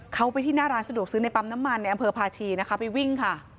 เขาไปที่หน้าร้านสะดวกซื้อในปั๊มน้ำมัน